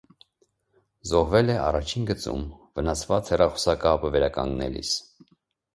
Զոհվել է առաջին գծում՝ վնասված հեռախոսակապը վերականգնելիս։